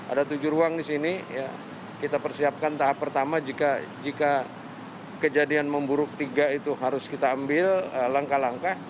ada tujuh ruang di sini kita persiapkan tahap pertama jika kejadian memburuk tiga itu harus kita ambil langkah langkah